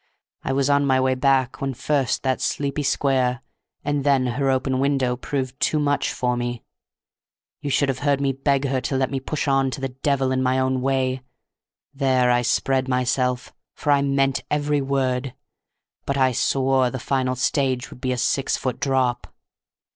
I was on my way back when first that sleepy square, and then her open window, proved too much for me. You should have heard me beg her to let me push on to the devil in my own way; there I spread myself, for I meant every word; but I swore the final stage would be a six foot drop."